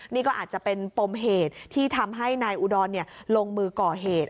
นี่ก็อาจจะเป็นปมเหตุที่ทำให้นายอุดรลงมือก่อเหตุ